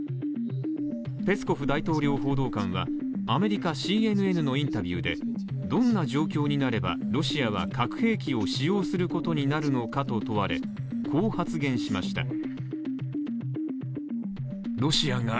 ペスコフ大統領報道官は、アメリカのＣＮＮのインタビューでどんな状況になればロシアは核兵器を使用することになるのかと問われこう発言しました。